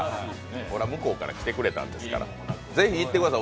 そりゃ、向こうから来てくれたんですからぜひ小田さんも行ってください。